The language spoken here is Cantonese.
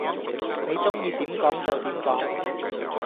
你鍾意點講就點講